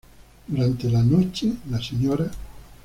Durante la noche la Sra.